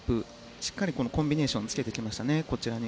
しっかりコンビネーションをつけてきましたね、こちらに。